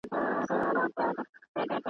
چي د عقل فکر لاس پکښي تړلی.